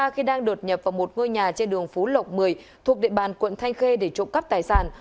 khi đang đột nhập vào một ngôi nhà trên đường phú lộc một mươi thuộc địa bàn quận thanh khê để trộm cắp tài sản